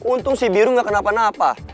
untung si biru nggak kenapa napa